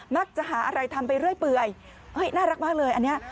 มักจะหาอะไรทำไปเรื่อยเปื่อยเฮ้ยน่ารักมากเลยอันนี้